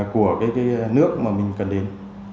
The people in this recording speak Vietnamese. của cái nước mà mình cần đến